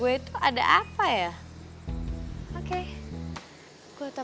udah rasanya ape ape kaya kita